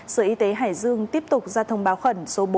sở y tế hải dương tiếp tục ra thông báo khẩn